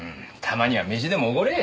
たまには飯でもおごれ。